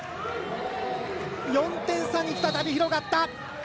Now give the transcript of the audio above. ４点差に再び広がった。